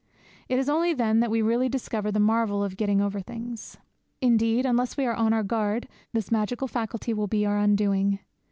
It is only then that we really discover the marvel of getting over things. Indeed, unless we are on our guard this magical faculty will be our undoing.